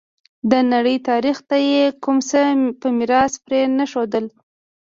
د نړۍ تاریخ ته یې کوم څه په میراث پرې نه ښودل.